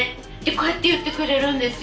こうやって言ってくれるんですよ